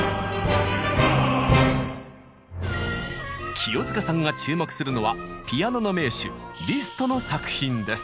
清塚さんが注目するのはピアノの名手リストの作品です。